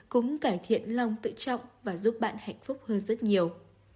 cũng cải thiện lòng tự trọng và giúp bạn hạnh phúc hơn rất nhiều